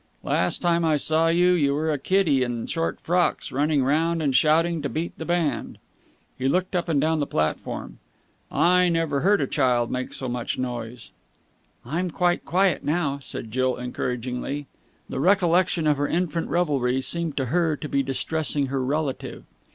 "Last time I saw you, you were a kiddy in short frocks, running round and shouting to beat the band." He looked up and down the platform. "I never heard a child make so much noise!" "I'm quite quiet now," said Jill encouragingly. The recollection of her infant revelry seemed to her to be distressing her relative.